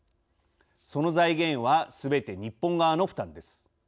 その財源はすべて日本側の負担です。